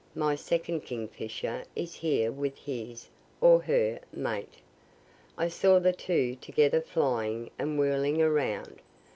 _ My second kingfisher is here with his (or her) mate. I saw the two together flying and whirling around.